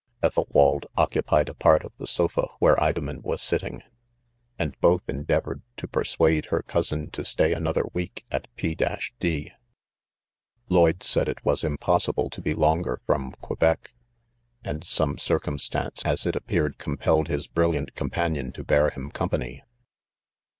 £thelwald occupied a part of the sofa where Idomen was sitting ; and both endeavored to persuade her cousin to stay another week at P~~ ~— <L Lloyde said it was. impossible to he . longer from Quebec ; and some «iream stance, as it appeared, compelled Mb brilliant companion; torbear him company.